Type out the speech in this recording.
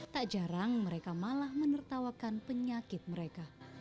tak jarang mereka malah menertawakan penyakit mereka